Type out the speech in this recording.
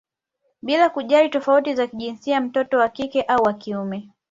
Bila kujali tofauti za jinsia mtoto wa kike au wa kiume